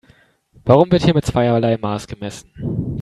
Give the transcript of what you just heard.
Warum wird hier mit zweierlei Maß gemessen?